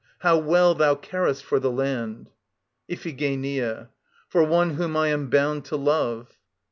How well thou carest for the land! IPHIGENIA. For one whom I am bound to love.